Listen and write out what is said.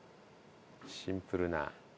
シンプルな。